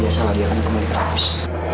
biasalah dia akan kembali ke hapus